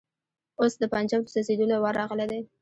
اوس د پنجاب د سوځېدلو وار راغلی دی.